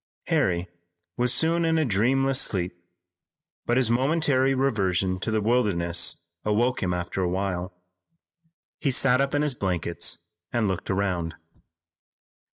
Harry was soon in a dreamless sleep, but his momentary reversion to the wilderness awoke him after a while. He sat up in his blankets and looked around.